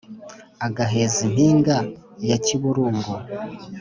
agaheza impinga ya kiburungu